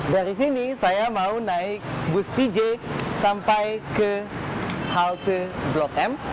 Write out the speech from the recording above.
dari sini saya mau naik bus pj sampai ke halte blok m